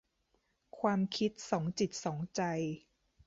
ความคิดสองจิตสองใจ